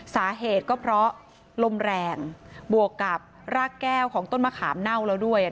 สาเหตุก็เพราะลมแรงบวกกับรากแก้วของต้นมะขามเน่าแล้วด้วย